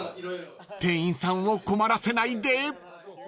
［店員さんを困らせないで］